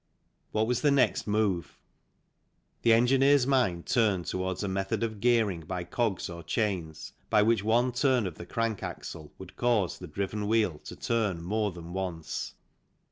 What was the next move ? The engineer's mind turned towards a method of gearing by cogs or chains, by which one turn of the crank axle would cause the driven wheel to turn more than once.